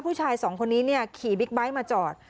ผู้ชายสองคนนี้เนี่ยขี่บิ๊กไบท์มาจอด